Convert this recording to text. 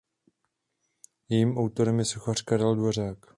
Jejím autorem je sochař Karel Dvořák.